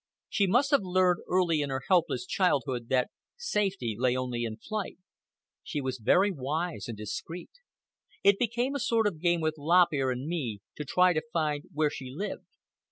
She must have learned early in her helpless childhood that safety lay only in flight. She was very wise and very discreet. It became a sort of game with Lop Ear and me to try to find where she lived.